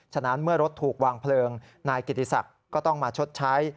ฉะนั้นเมื่อรถถูกวางเพลิงนายกิติศักดิ์ก็ต้องมาชดใช้